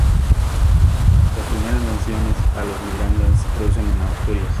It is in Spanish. Las primeras menciones a los Miranda se producen en Asturias.